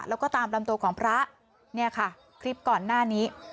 แล้วก็ตามลำตัวของพระเนี่ยค่ะคลิปก่อนหน้านี้